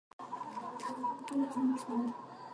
که پښتو ژبه وي، نو کلتوري ارزښتونه ژوندۍ پاتې کیږي.